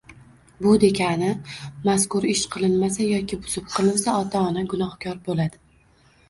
Bu degani mazkur ish qilinmasa yoki buzib qilinsa, ota-ona gunohkor bo‘ladi